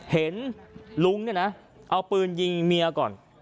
เห็นลุงเนี่ยนะเอาปืนยิงเมียก่อน